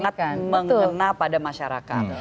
sangat mengena pada masyarakat